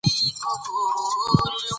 انګریزان ښایي چې لا هم په دې نه پوهېږي.